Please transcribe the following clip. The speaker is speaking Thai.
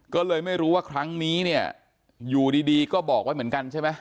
ก็เลยไม่รู้ว่าครั้งนี้เนี่ยอยู่ดีก็บอกไว้เหมือนกันใช่ไหม